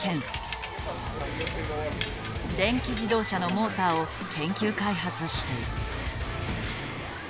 電気自動車のモーターを研究開発している。